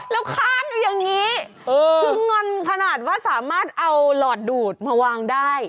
แล้วค้างอยู่อย่างนี้คืองอนขนาดว่าสามารถเอาหลอดดูดมาวางได้